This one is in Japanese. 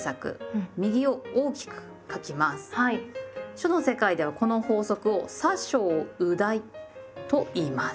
書の世界ではこの法則を「左小右大」と言います。